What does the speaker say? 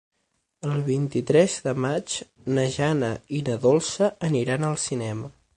El vint-i-tres de maig na Jana i na Dolça aniran al cinema.